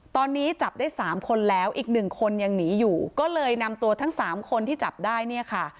ตอนนี้จับได้สามคนแล้วอีกหนึ่งคนยังหนีอยู่ก็เลยนำตัวทั้งสามคนที่จับได้เนี่ยค่ะ